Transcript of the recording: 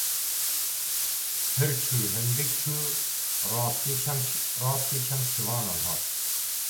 Pir çû hindik çû, rastî çend şivanan hat.